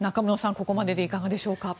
ここまででいかがでしょうか。